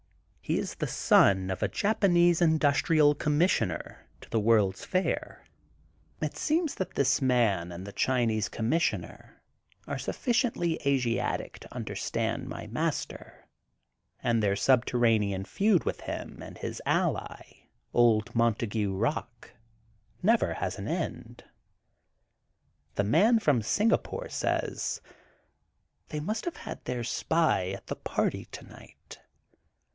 He is the son of a Japanese Industrial Commissioner to the World 's Fair. It seems that this man and the Chinese Conmiissioner are sufdciently Asiatic THE GOLDEN BOOK OF SPRINGFIELD 2Sn to understand my master, and their subter ranean feud with him and his ally, Old Monta gue Bock, never has an end. The Man from Singapore says: They must have had their spy at the party tonight.